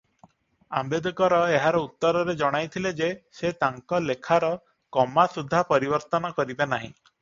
"ଆମ୍ବେଦକର ଏହାର ଉତ୍ତରରେ ଜଣାଇଥିଲେ ଯେ ସେ ତାଙ୍କ ଲେଖାର "କମା ସୁଦ୍ଧା ପରିବର୍ତ୍ତନ କରିବେ ନାହିଁ" ।"